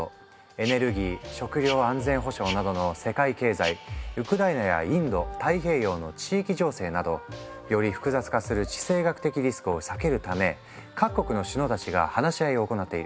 エネルギー食料安全保障などの世界経済ウクライナやインド太平洋の地域情勢などより複雑化する地政学的リスクを避けるため各国の首脳たちが話し合いを行っている。